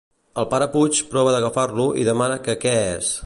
El pare Puig prova d'agafar-lo i demana que què és.